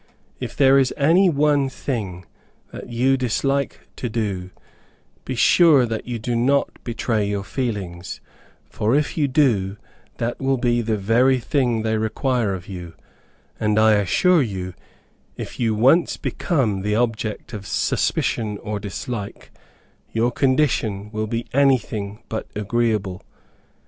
If there is any one thing that you dislike to do, be sure that you do not betray your feelings, for if you do, that will be the very thing they will require of you; and I assure you, if you once become the object of suspicion or dislike, your condition will be anything but agreeable.